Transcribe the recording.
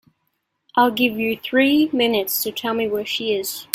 I'll give you three minutes to tell me where she is.